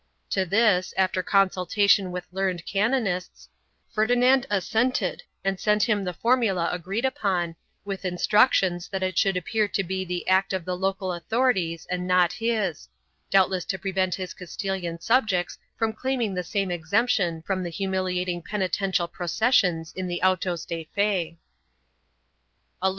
To this, after consultation with learned canonists, Ferdi nand assented and sent him the formula agreed upon, with instructions that it should appear to be the act of the local authorities and not his — doubtless to prevent his Castilian sub jects from claiming the same exemption from the humiliating penitential processions in the autos de fe.